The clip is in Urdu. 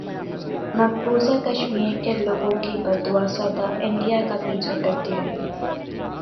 مقبوضہ کشمیر کے لوگوں کی بددعا سدا انڈیا کا پیچھا کرتی رہے گی